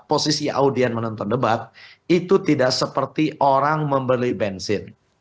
posisi audien menonton debat itu tidak seperti orang membeli bensin